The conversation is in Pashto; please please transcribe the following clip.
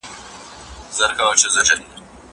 درسونه د زده کوونکي له خوا لوستل کيږي!!